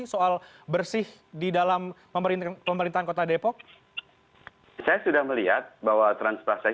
soal bersih di dalam pemerintahan pemerintahan kota depok saya sudah melihat bahwa transaksi